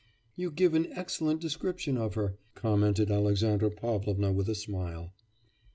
'You give an excellent description of her,' commented Alexandra Pavlovna with a smile.